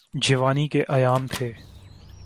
جوانی کے ایام تھے۔